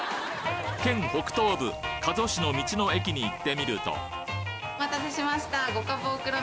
県北東部加須市の道の駅に行ってみるとお待たせしました。